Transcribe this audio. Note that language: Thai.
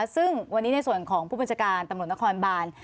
ซึ่งวันนี้ในส่วนของผู้บัญชาการตำรวจนครบาน